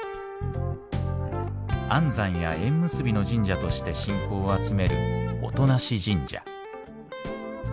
安産や縁結びの神社として信仰を集める音無神社。